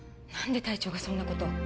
何で隊長がそんなこと